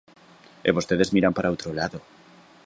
E vostedes miran para outro lado.